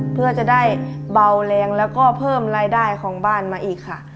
เพื่อจะได้เบาแรงแล้วก็เพิ่มรายได้ของบ้านมาอีกค่ะ